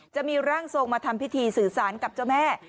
กำลังส่งมาทำพิธีสื่อสารกับเจ้าแม่